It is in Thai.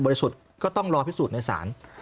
บริสุทธิ์ก็ต้องรอพิสูจน์ในสาร